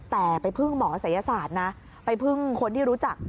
แต่ไปพึ่งหมอศัยศาสตร์นะไปพึ่งคนที่รู้จัก